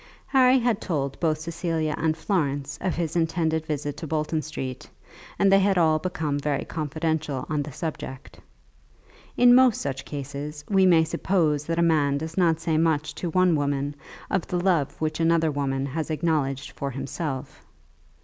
Harry had told both Cecilia and Florence of his intended visit to Bolton Street, and they had all become very confidential on the subject. In most such cases we may suppose that a man does not say much to one woman of the love which another woman has acknowledged for himself.